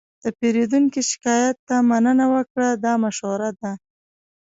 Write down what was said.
د پیرودونکي شکایت ته مننه وکړه، دا مشوره ده.